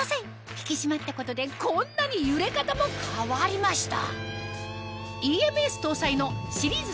引き締まったことでこんなに揺れ方も変わりました